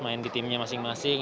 main di timnya masing masing